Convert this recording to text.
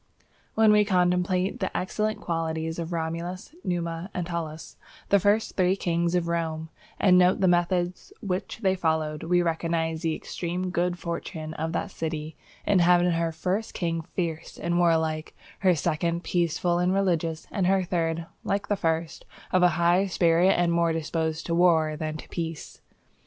_ When we contemplate the excellent qualities of Romulus, Numa, and Tullus, the first three kings of Rome, and note the methods which they followed, we recognize the extreme good fortune of that city in having her first king fierce and warlike, her second peaceful and religious, and her third, like the first, of a high spirit and more disposed to war than to peace.